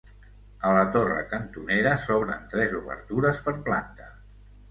A la torre cantonera s'obren tres obertures per planta.